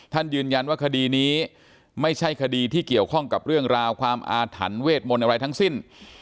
ยืนยันว่าคดีนี้ไม่ใช่คดีที่เกี่ยวข้องกับเรื่องราวความอาถรรพ์เวทมนต์อะไรทั้งสิ้น